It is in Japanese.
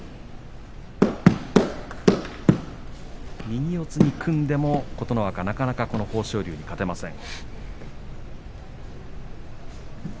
右四つに組んでも琴ノ若なかなかこの豊昇龍に勝てません。